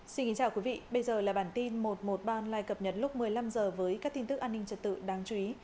xin kính chào quý vị bây giờ là bản tin một trăm một mươi ba online cập nhật lúc một mươi năm h với các tin tức an ninh trật tự đáng chú ý